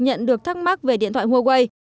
nhận được thắc mắc về điện thoại huawei